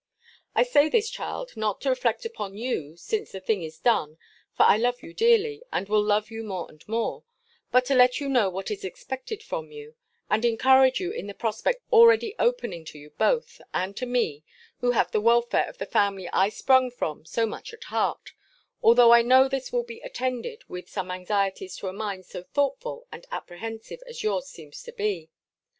I say this, child, not to reflect upon you, since the thing is done; for I love you dearly, and will love you more and more but to let you know what is expected from you, and encourage you in the prospect already opening to you both, and to me, who have the welfare of the family I sprung from so much at heart, although I know this will be attended with some anxieties to a mind so thoughtful and apprehensive as yours seems to be.